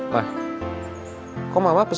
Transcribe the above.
wah kok mama pesen empat kursi